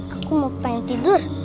aku mau pengen tidur